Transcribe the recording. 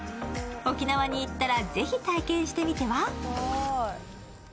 沖縄に行ったら、ぜひ体験してみては。